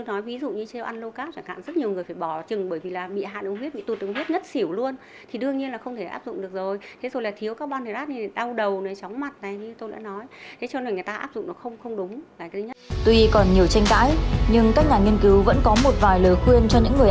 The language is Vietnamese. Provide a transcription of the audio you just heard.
nhưng các nhà nghiên cứu vẫn có một vài lời khuyên cho những người ăn chế độ lâu kép để giảm cân như sau